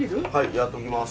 やっときます。